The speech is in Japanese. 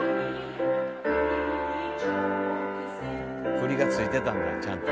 振りが付いてたんだちゃんと。